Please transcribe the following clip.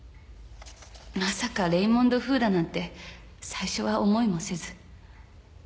まさかレイモンド・フウだなんて最初は思いもせず。